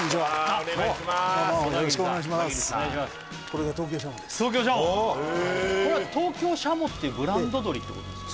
これは東京軍鶏っていうブランド鶏ってことですか？